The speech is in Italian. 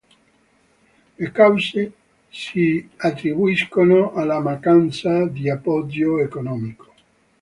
Le cause si attribuiscono alla mancanza di appoggio economico.